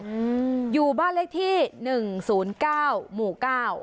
อืมอยู่บ้านเลขที่หนึ่งศูนย์เก้าหมู่เก้า